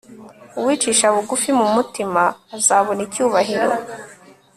uwicisha bugufi mu mutima azabona icyubahiro